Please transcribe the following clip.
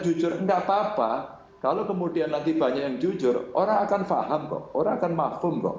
jujur enggak papa kalau kemudian nanti banyak yang jujur orang akan paham orang akan maklum